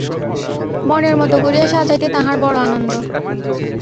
মনের মতো করিয়া সাজাইতে তাঁহার বড়ো আনন্দ।